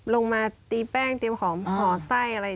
ลงมาตีแป้งเตรียมหอไซ่อะไร